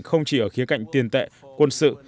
không chỉ ở khía cạnh tiền tệ quân sự